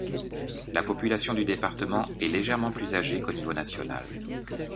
La population du département est légèrement plus âgée qu'au niveau national.